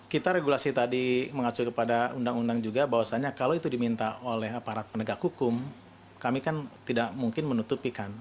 kita regulasi tadi mengacu kepada undang undang juga bahwasannya kalau itu diminta oleh aparat penegak hukum kami kan tidak mungkin menutupi kan